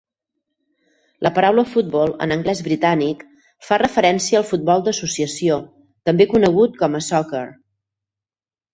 La paraula "football" en anglès britànic fa referència al futbol d'associació, també conegut com a "soccer".